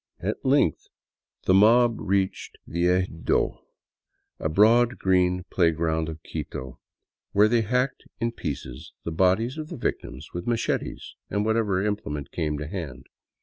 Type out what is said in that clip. At length the mob reached the Ejido, the broad, green play ground of Quito, where they hacked in pieces the bodies of the victims with machetes and whatever implement came to hand.